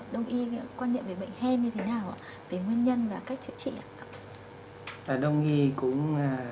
đông y quan điểm về bệnh hen như thế nào ạ